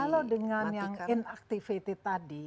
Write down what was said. kalau dengan yang inactivated tadi